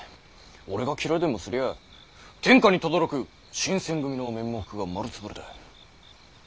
俺が斬られでもすりゃあ天下にとどろく新選組の面目が丸つぶれだ。